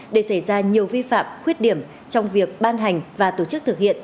để xảy ra nhiều vi phạm khuyết điểm trong việc ban hành và tổ chức thực hiện